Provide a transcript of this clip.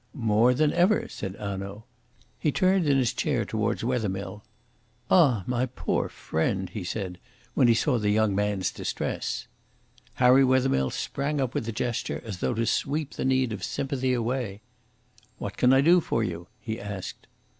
"More than ever," said Hanaud. He turned in his chair towards Wethermill. "Ah, my poor friend!" he said, when he saw the young man's distress. Harry Wethermill sprang up with a gesture as though to sweep the need of sympathy away. "What can I do for you?" he asked.